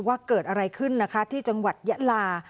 ว่าเกิดอะไรขึ้นนะคะที่จังหวัดยะลา